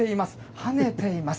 跳ねています。